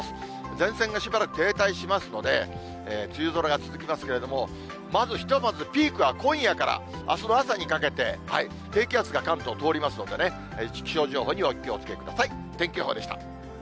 前線がしばらく停滞しますので、梅雨空が続きますけれども、まず、ひとまずピークは今夜から、あすの朝にかけて、低気圧が関東通りますのでね、「ない！ない！